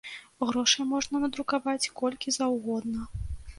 Грошай можна надрукаваць, колькі заўгодна.